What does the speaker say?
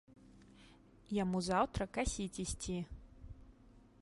Яму заўтра касіць ісці.